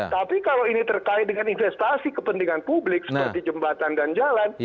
tapi kalau ini terkait dengan investasi kepentingan publik seperti jembatan dan jalan